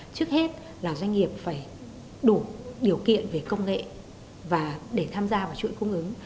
trước hết là doanh nghiệp phải đủ điều kiện về công nghệ và để tham gia vào chuỗi cung ứng